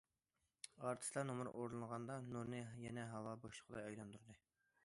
ئارتىسلار نومۇر ئورۇنلىغاندا نۇرنى يەنە ھاۋا بوشلۇقىدا ئايلاندۇردى.